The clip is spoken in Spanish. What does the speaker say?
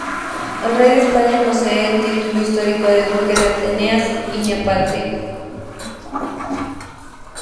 El Rey de España posee el título histórico de Duque de Atenas y Neopatria.